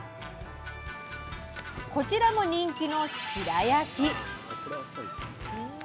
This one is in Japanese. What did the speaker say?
こちらも人気の白焼き。